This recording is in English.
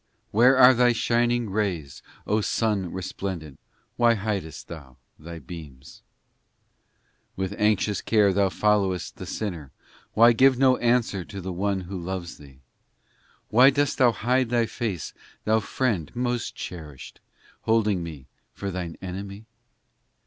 Where are Thy shining rays, Thou Sun resplendent, Why hidest Thou Thy beams ? VI With anxious care Thou followest the sinner Why give no answer to the one who loves Thee ? Why dost Thou hide Thy face, Thou Friend most cherished, Holding me for Thine enemy